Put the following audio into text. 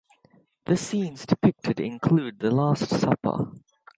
The scenes depicted include the last supper.